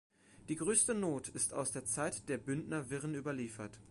Die grösste Not ist aus der Zeit der Bündner Wirren überliefert.